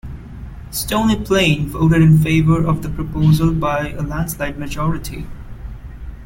Stony Plain voted in favour of the proposal by a landslide majority.